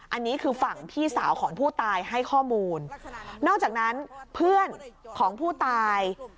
อันนี้คือฝั่งพี่สาวของผู้ตายให้ข้อมูลนอกจากนั้นเพื่อนของผู้ตาย